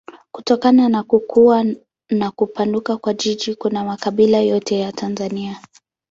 Kutokana na kukua na kupanuka kwa jiji kuna makabila yote ya Tanzania.